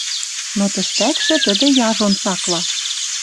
Но тӹштӓкшӹ тӹдӹ яжон цакла: